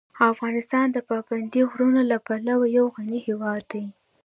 افغانستان د پابندي غرونو له پلوه یو غني هېواد دی.